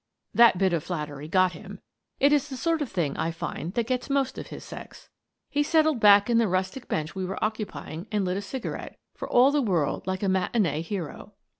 That bit of flattery got him, — it is the sort of n6 Miss Frances Baird, Detective === =====3 thing, I find, that gets most of his sex. He settled back in the rustic bench we were occupying and lit a cigarette, for all the world like a matinee hero.